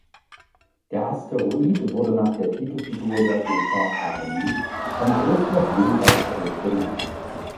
Der Asteroid wurde nach der Titelfigur der Oper "Armide" von Christoph Willibald Gluck benannt.